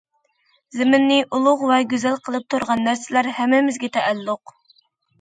زېمىننى ئۇلۇغ ۋە گۈزەل قىلىپ تۇرغان نەرسىلەر ھەممىمىزگە تەئەللۇق.